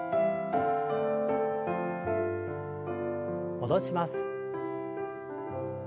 戻します。